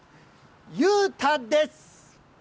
裕太です！